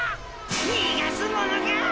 にがすものか！